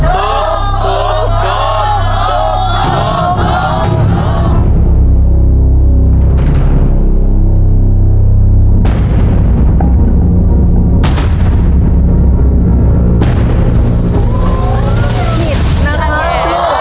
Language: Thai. ไม่เป็นไรไม่เป็นไร